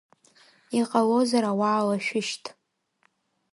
Иҟалозар ауаа лашәышьҭ!